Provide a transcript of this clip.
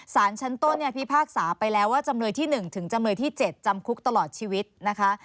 สารชั้นต้นเนี่ยพิพากษาไปแล้วว่าจำเลยที่๑ถึงจำเลยที่๗จำคุกตลอดชีวิตนะคะ